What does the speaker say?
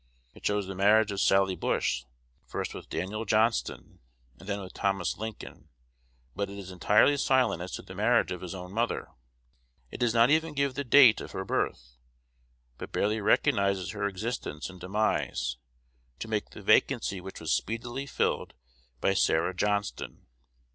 It shows the marriage of Sally Bush, first with Daniel Johnston, and then with Thomas Lincoln; but it is entirely silent as to the marriage of his own mother. It does not even give the date of her birth, but barely recognizes her existence and demise, to make the vacancy which was speedily filled by Sarah Johnston.